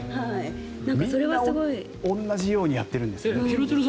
みんな同じようにやってるんですね。